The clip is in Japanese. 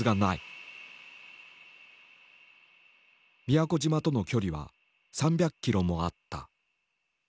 宮古島との距離は３００キロもあった。